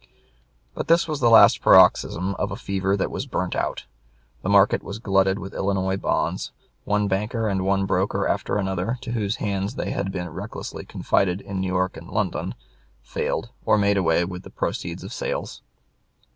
But this was the last paroxysm of a fever that was burnt out. The market was glutted with Illinois bonds; one banker and one broker after another, to whose hands they had been recklessly confided in New York and London, failed, or made away with the proceeds of sales.